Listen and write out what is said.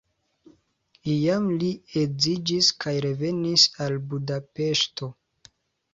Iam li edziĝis kaj revenis al Budapeŝto.